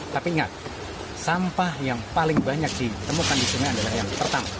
tapi ingat sampah yang paling banyak ditemukan di sungai adalah yang pertama